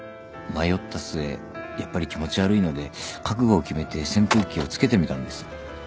迷った末やっぱり気持ち悪いので覚悟を決めて扇風機をつけてみたんです。